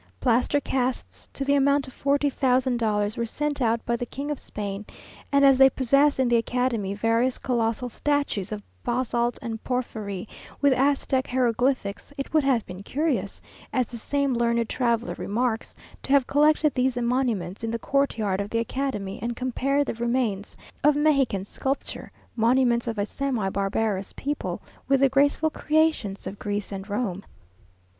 Plaster casts, to the amount of forty thousand dollars, were sent out by the King of Spain, and as they possess in the academy various colossal statues of basalt and porphyry, with Aztec hieroglyphics, it would have been curious, as the same learned traveller remarks, to have collected these monuments in the courtyard of the Academy, and compared the remains of Mexican sculpture, monuments of a semi barbarous people, with the graceful creations of Greece and Rome.